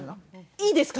いいですか？